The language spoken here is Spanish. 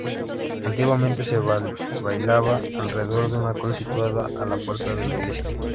Antiguamente se bailaba alrededor de una cruz situada a la puerta de la iglesia.